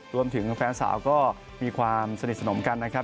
รวมถึงแฟนสาวก็มีความสนิทสนมกันนะครับ